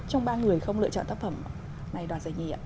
trong ba người không lựa chọn tác phẩm này đoạt giải nhì ạ